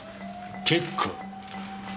結構！